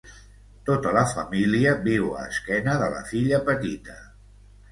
Tota la família viu a esquena de la filla petita.